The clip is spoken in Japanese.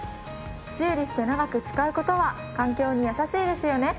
修理して長く使う事は環境に優しいですよね。